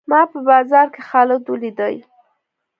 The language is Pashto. ما په بازار کښي خالد وليدئ.